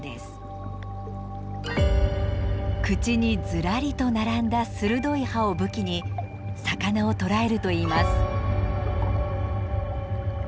口にずらりと並んだ鋭い歯を武器に魚を捕らえるといいます。